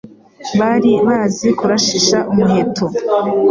bari bazi kurashisha umuheto